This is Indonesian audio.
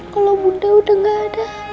kalau bunda udah gak ada